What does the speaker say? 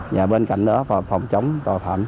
và bên cạnh đó phòng chống tòa phạm